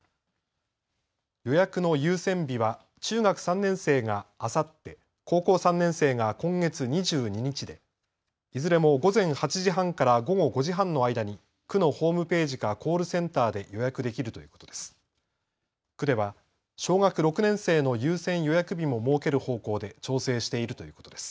予約の優先日は、中学３年生があさって、高校３年生が今月２２日で、いずれも午前８時半から午後５時半の間に、区のホームページかコールセンターで予約できるということです。